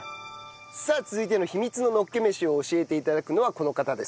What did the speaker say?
さあ続いての秘密ののっけ飯を教えて頂くのはこの方です。